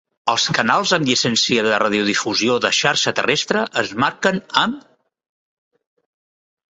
Els canals amb llicència de radiodifusió de xarxa terrestre es marquen amb "".